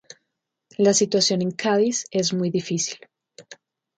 La situación en Cádiz es muy difícil.